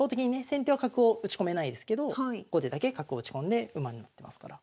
先手は角を打ち込めないですけど後手だけ角を打ち込んで馬になってますから。